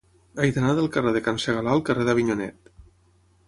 He d'anar del carrer de Can Segalar al carrer d'Avinyonet.